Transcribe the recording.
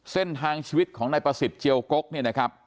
เส้นทางชีวิตของนายประสิทธิ์เจียวกกเนี่ยนะครับ